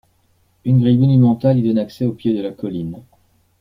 Une grille monumentale y donne accès au pied de la colline.